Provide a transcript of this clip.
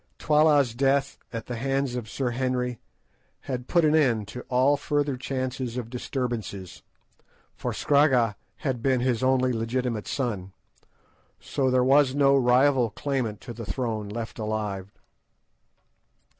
Twala's death at the hands of Sir Henry had put an end to all further chance of disturbance; for Scragga had been his only legitimate son, so there was no rival claimant to the throne left alive.